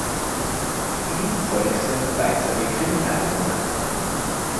Ihm folgten weitere Kriminalromane.